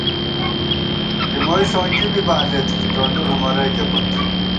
لِموئی ݪونکی بی بالېت ٹونڈُل ہُمَرَئیکے پت